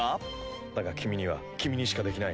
だが君には君にしかできない。